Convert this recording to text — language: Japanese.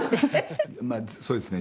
まあそうですね。